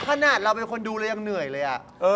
ขนาดเราเป็นคนดูเรายังเหนื่อยเลย